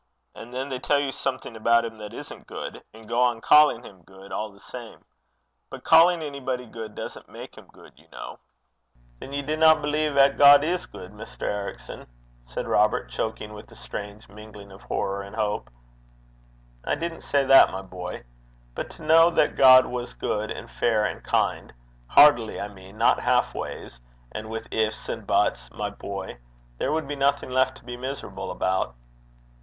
And then they tell you something about him that isn't good, and go on calling him good all the same. But calling anybody good doesn't make him good, you know.' 'Then ye dinna believe 'at God is good, Mr. Ericson?' said Robert, choking with a strange mingling of horror and hope. 'I didn't say that, my boy. But to know that God was good, and fair, and kind heartily, I mean, not half ways, and with ifs and buts my boy, there would be nothing left to be miserable about.'